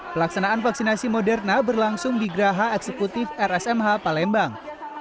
pelaksanaan vaksinasi moderna berlangsung di geraha eksekutif rsmh palembang